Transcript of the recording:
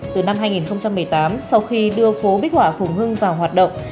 từ năm hai nghìn một mươi tám sau khi đưa phố bích họa phùng hưng vào hoạt động